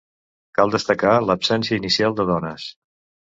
Cal destacar l'absència inicial de dones.